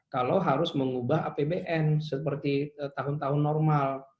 kalau harus mengubah apbn seperti tahun tahun normal